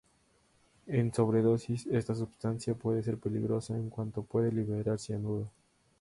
En sobredosis, esta substancia puede ser peligrosa, en cuanto puede liberar cianuro.